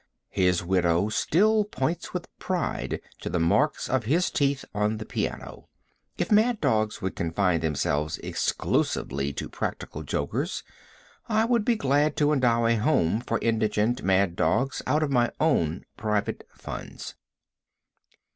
His widow still points with pride to the marks of his teeth on the piano. If mad dogs would confine themselves exclusively to practical jokers, I would be glad to endow a home for indigent mad dogs out of my own private funds.